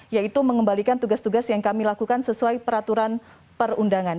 yaitu mengembalikan tugas tugas yang kami lakukan sesuai peraturan perundangan